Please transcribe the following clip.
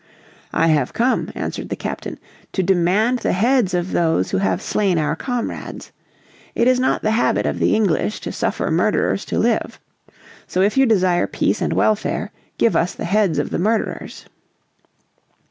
"I have come," answered the captain, "to demand the heads of those who have slain our comrades. It is not the habit of the English to suffer murderers to live. So if you desire peace and welfare give us the heads of the murderers."